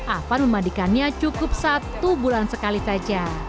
avan memandikannya cukup satu bulan sekali saja